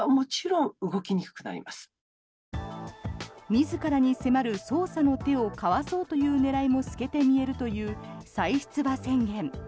自らに迫る捜査の手をかわそうという狙いも透けて見えるという再出馬宣言。